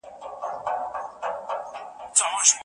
سپوږمۍ به په شین اسمان کي روښانه وه.